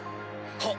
・はっ！